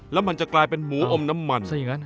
แล้วมันจะกลายเป็นหมูอมน้ำมัน